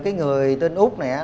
cái người tên út này